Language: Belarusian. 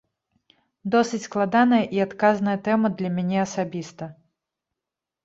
Досыць складаная і адказная тэма для мяне асабіста.